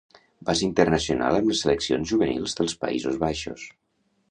Va ser internacional amb les seleccions juvenils dels Països Baixos.